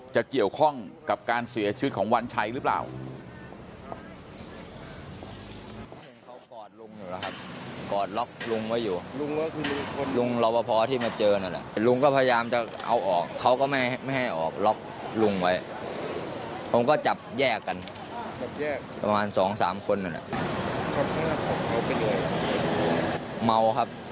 เกี่ยวข้องกับการเสียชีวิตของวันชัยหรือเปล่า